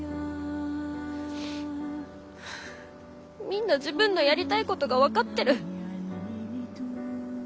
みんな自分のやりたいことが分かってる。